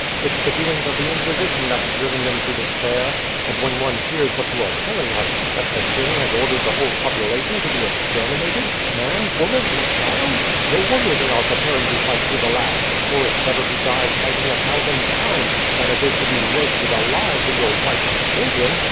It's the doings of the Inquisition that have driven them to despair. And when one hears what you are telling us, that the king has ordered the whole population to be exterminated man, woman, and child no wonder they are preparing to fight to the last; for it's better to die fighting a thousand times, than it is to be roasted alive with your wife and children!"